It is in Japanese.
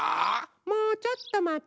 もうちょっとまってて。